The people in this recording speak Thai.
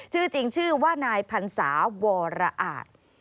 ชื่อจริงชื่อว่านายพันศาวรอาจ